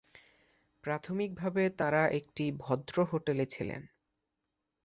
প্রাথমিকভাবে তাঁরা একটি ভদ্র হোটেলে ছিলেন।